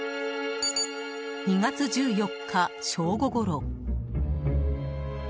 ２月１４日、正午ごろ。